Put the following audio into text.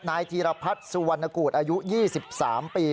นายจีรพรรดิสุวรรณกูศอายุ๒๓ปี